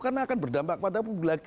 karena akan berdampak pada publik